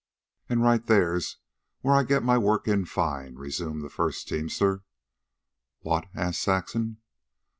"An' right there's where I get in my fine work," resumed the first teamster. "What?" asked Saxon.